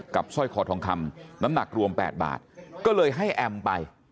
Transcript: สร้อยคอทองคำน้ำหนักรวม๘บาทก็เลยให้แอมไป